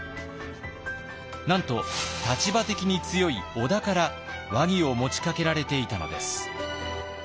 なんと立場的に強い織田から和議を持ちかけられていたのです。